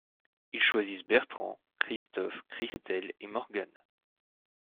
Ils choisissent Bertrand, Christophe, Christelle et Morgane.